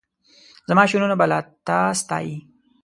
زماشعرونه به لا تا ستایي